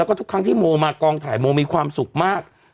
พันที่โมมากองถ่ายโมมีความสุขมาก